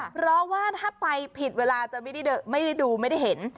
เพราะว่าถ้าไปผิดเวลาจะไม่ได้ดูไม่ได้เห็น